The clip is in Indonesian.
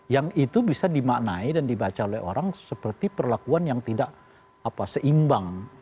yang itu bisa dimaknai dan dibaca oleh orang seperti perlakuan yang tidak seimbang